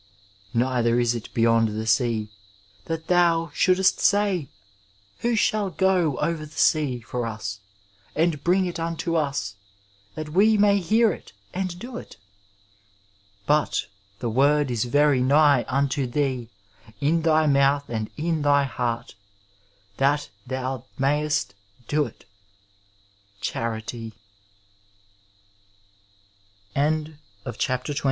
* Neither is it beyond the sea, that thou shonldest say, * Who shall go over the sea for ns, and bring it nnto ns, that we may hear i1^ and do it T ' Bat the word is very nigh nnto thee, in thy month and in thy heart, that then mayest do it — CHABiTt'."